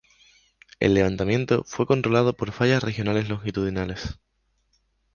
El levantamiento fue controlado por fallas regionales longitudinales.